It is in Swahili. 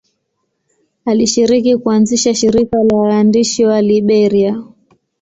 Alishiriki kuanzisha shirika la waandishi wa Liberia.